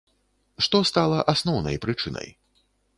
Што стала асноўнай прычынай?